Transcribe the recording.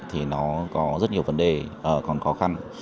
thì nó có rất nhiều vấn đề còn khó khăn